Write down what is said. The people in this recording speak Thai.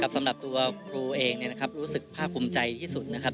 สำหรับตัวครูเองรู้สึกภาพภูมิใจที่สุดนะครับ